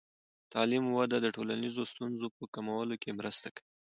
د تعلیم وده د ټولنیزو ستونزو په کمولو کې مرسته کوي.